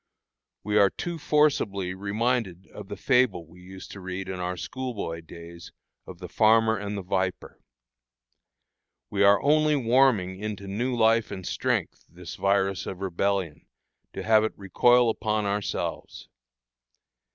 We are too forcibly reminded of the fable we used to read in our schoolboy days, of the Farmer and the Viper. We are only warming into new life and strength this virus of Rebellion, to have it recoil upon ourselves.